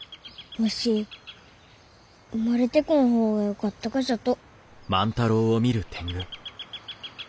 わし生まれてこん方がよかったがじゃと。